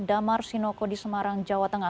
damar sinoko di semarang jawa tengah